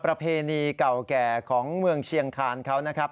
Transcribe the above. ประเพณีเก่าแก่ของเมืองเชียงคานเขานะครับ